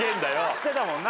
知ってたもんな？